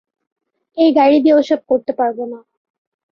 এই গাড়ি দিয়ে ওসব করতে পারবো না।